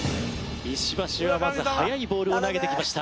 石橋はまず速いボールを投げてきました。